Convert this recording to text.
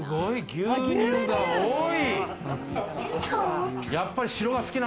牛乳が多い。